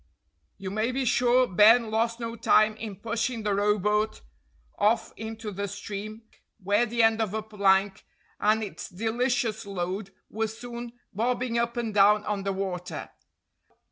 You may be sure Ben lost no time in pushing the rowboat off into the stream, where the end of a plank and its delicious load were soon bobbing up and down on the water.